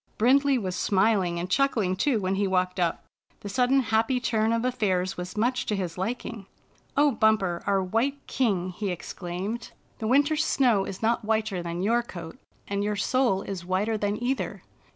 Brindley was smiling and chuckling too, when he walked up. The sudden happy turn of affairs was much to his liking. " O Bumper, our white king! " he exclaimed. " The winter's snow is not whiter than your coat, and your soul is whiter than either.